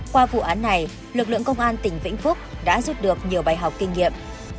qua vụ án này lực lượng công an tỉnh vĩnh phúc đã rút được nhiều bài học kinh nghiệm